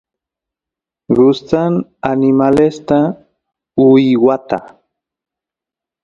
gustan animalesta uywata